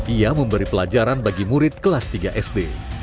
ia memberi pelajaran bagi murid kelas tiga sd